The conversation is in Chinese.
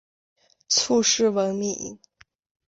卒谥文敏。